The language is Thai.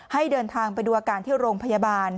ให้เดินทางไปดูอาการที่โรงพยาบาล